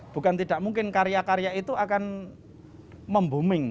bukan tidak mungkin karya karya itu akan membooming